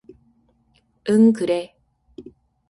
응, 그래.